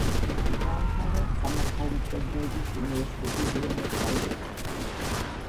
დაამთავრა სამართალმცოდნეობის უნივერსიტეტი ბუენოს-აირესში.